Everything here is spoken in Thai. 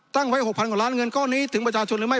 ตั้งไว้๖๐๐กว่าล้านเงินก้อนนี้ถึงประชาชนหรือไม่